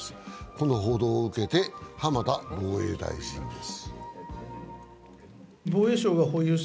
この報道を受けて浜田防衛大臣です。